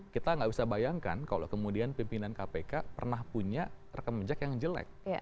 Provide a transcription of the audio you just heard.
kita tidak bisa bayangkan kalau kemudian pimpinan kpk pernah punya rekan menjag yang jelek